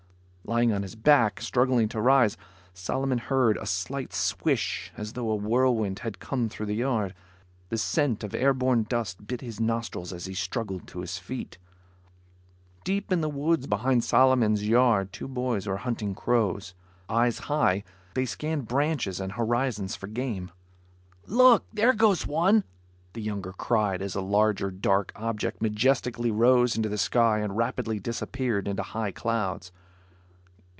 Lying on his back, struggling to rise, Solomon heard a slight swish as though a whirlwind had come through the yard. The scent of air borne dust bit his nostrils as he struggled to his feet. Deep in the woods behind Solomon's yard two boys were hunting crows. Eyes high, they scanned branches and horizons for game. "Look, there goes one," the younger cried as a large dark object majestically rose into the sky and rapidly disappeared into high clouds.